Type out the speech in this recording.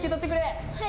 はい！